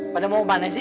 pada mau mana sih